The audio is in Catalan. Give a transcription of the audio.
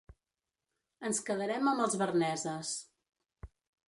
Ens quedarem amb els Barneses.